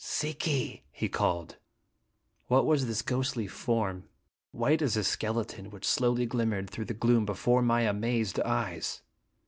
"Si ki!" he called. What was this ghostly form, white as a skeleton, which slowly glimmered through the gloom before my amazed eyes?